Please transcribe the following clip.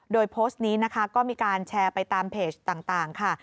โดยโพสต์นี้นะคะก็มีการแชร์ไปตามเพจต่างค่ะ